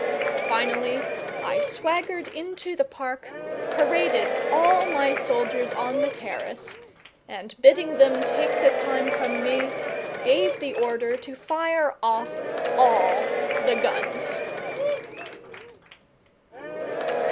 Finally, I swaggered into the park, paraded all my soldiers on the terrace, and, bidding them take the time from me, gave the order to fire off all the guns.